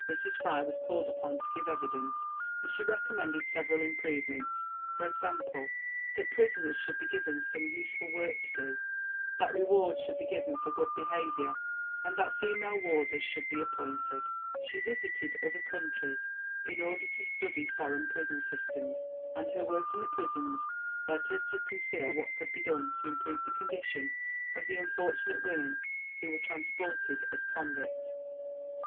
Mrs Fry was called upon to give evidence, and she recommended several improvements, e.g. that prisoners should be given some useful work to do, that rewards should be given for good behaviour, and that female warders should be appointed. She visited other countries in order to study foreign prison systems, and her work in the prisons led her to consider what could be done to improve the condition of the unfortunate women who were transported as convicts.